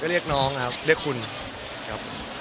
เรียกน้องครับเรียกคุณครับ